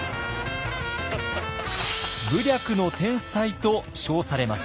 「武略の天才」と称されます。